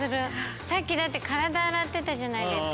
さっきだって体洗ってたじゃないですか。